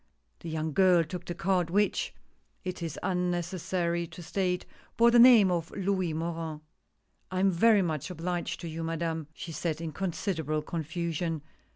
The young girl took the card, which it is unnecessary to state bore the name of Louis Morin. " I am very much obliged to you, Madame," she said in considerable confusion.